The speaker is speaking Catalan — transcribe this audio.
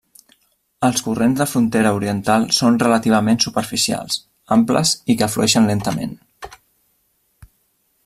Els Corrents de frontera oriental són relativament superficials, amples i que flueixen lentament.